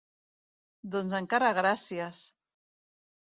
Doncs encara gràcies!